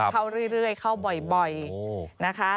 เข้าเรื่อยเข้าบ่อยนะคะ